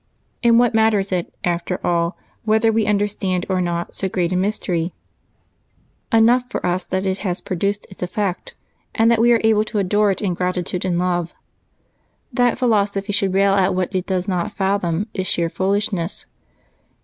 And what matters it, after all, whether we understand or not so great a mystery ? Enough for us that it has produced its effect, and that we are able to adore it in gratitude and love. That philosophy should rail at what it does not fathom is sheer foolishness.